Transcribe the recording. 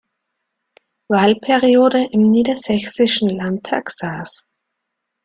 Wahlperiode im Niedersächsischen Landtag saß.